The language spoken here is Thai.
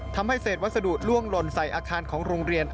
ทำให้เศษวัสดุล่วงหล่นใส่อาคารของโรงเรียน